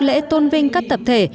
lễ tôn vinh các tập thể